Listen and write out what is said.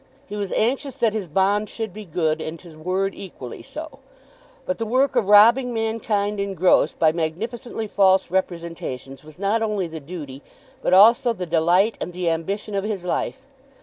He was anxious that his bond should be good, and his word equally so. But the work of robbing mankind in gross by magnificently false representations, was not only the duty, but also the delight and the ambition of his life.